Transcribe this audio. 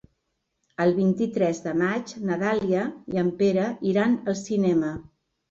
El vint-i-tres de maig na Dàlia i en Pere iran al cinema.